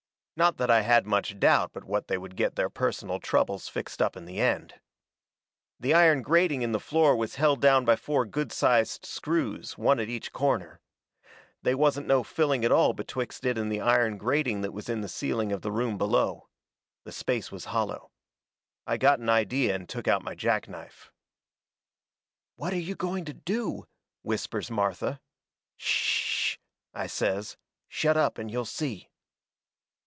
Not that I had much doubt but what they would get their personal troubles fixed up in the end. The iron grating in the floor was held down by four good sized screws, one at each corner. They wasn't no filling at all betwixt it and the iron grating that was in the ceiling of the room below. The space was hollow. I got an idea and took out my jack knife. "What are you going to do?" whispers Martha. "S sh sh," I says, "shut up, and you'll see."